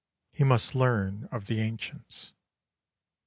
He must learn of the ancients.